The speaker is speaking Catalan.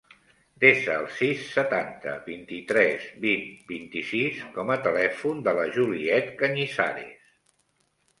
Desa el sis, setanta, vint-i-tres, vint, vint-i-sis com a telèfon de la Juliette Cañizares.